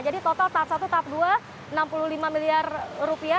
jadi total tahap satu tahap dua enam puluh lima miliar rupiah